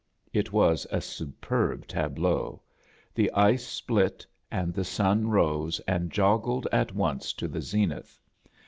It was a superb tableau: the ice split, and the sun rose and ioajled at once to the zenith.